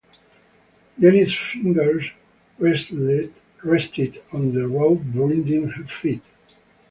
Jenny's fingers rested on the rope binding her feet.